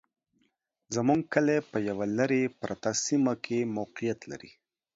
زموږ کلي په يوه لري پرته سيمه کي موقعيت لري